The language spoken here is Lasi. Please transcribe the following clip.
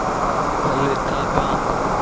ھلَ ھتان ڪان